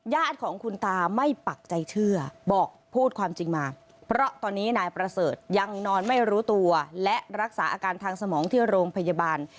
ญาติของคุณตาไม่ปักใจเชื่อบอกพูดความจริงมาเพราะตอนนี้นายประเสริฐยังนอนไม่รู้ตัวและรักษาอาการทางสมองที่โรงพยาบาล